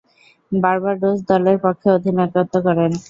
Barbados দলের পক্ষে অধিনায়কত্ব করেন।